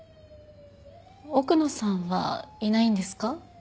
奥野さんはいないんですか？